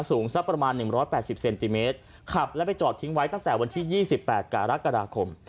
สูงสักประมาณหนึ่งร้อยแปดสิบเซนติเมตรขับแล้วไปจอดทิ้งไว้ตั้งแต่วันที่ยี่สิบแปดกราศกราคม